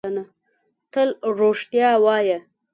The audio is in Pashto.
تل رښتیا وایۀ!